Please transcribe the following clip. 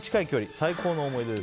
最高の思い出です。